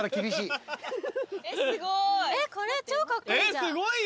すごいよ。